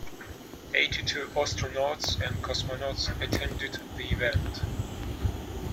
Eighty-two astronauts and cosmonauts attended the event.